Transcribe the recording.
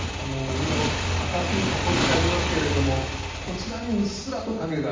今赤く囲ってありますけれどもこちらにうっすらと影があります。